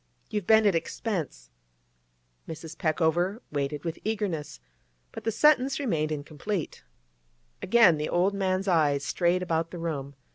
You've been at expense—' Mrs. Peckover waited with eagerness, but the sentence remained incomplete. Again the old man's eyes strayed about the room.